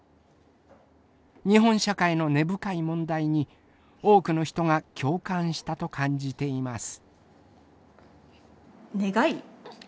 日本社会の根深い問題に多くの人が共感したと感じています。